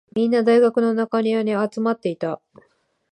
みんな、大学の中庭に集まっていた。